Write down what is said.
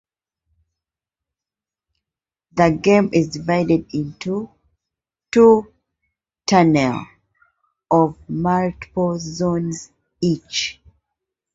The game is divided into two tunnel of multiple zones each.